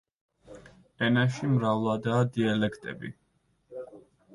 ენაში მრავლადაა დიალექტები.